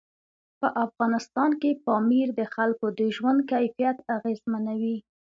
په افغانستان کې پامیر د خلکو د ژوند کیفیت اغېزمنوي.